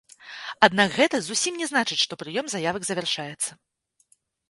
Аднак гэта зусім не значыць, што прыём заявак завяршаецца.